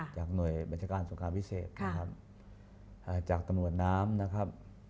จากหน่วยบัญชาการสงครามพิเศษนะครับจากตำรวจน้ำนะครับ